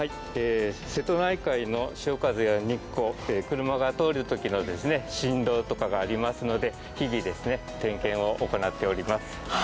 瀬戸内海の潮風や日光、車が通るときの振動とかがありますので日々、点検を行っております。